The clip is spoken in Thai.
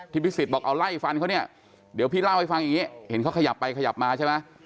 พิสิทธิ์บอกเอาไล่ฟันเขาเนี่ยเดี๋ยวพี่เล่าให้ฟังอย่างนี้เห็นเขาขยับไปขยับมาใช่ไหม